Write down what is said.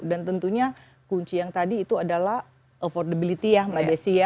dan tentunya kunci yang tadi itu adalah affordability ya mbak desi ya